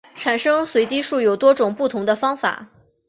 产生随机数有多种不同的方法。